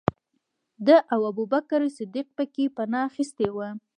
ده او ابوبکر صدیق پکې پنا اخستې وه.